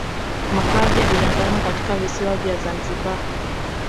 Makazi ya binadamu katika visiwa vya Zanzibar